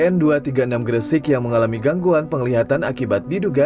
n dua ratus tiga puluh enam gresik yang mengalami gangguan penglihatan akibat diduga